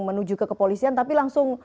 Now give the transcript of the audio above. menuju ke kepolisian tapi langsung